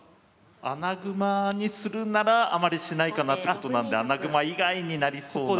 穴熊にするならあまりしないかなってことなんで穴熊以外になりそうな。